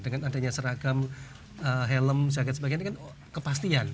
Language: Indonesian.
dengan adanya seragam helm jagat sebagainya ini kan kepastian